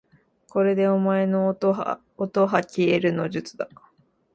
これでお前のおとはきえるの術だ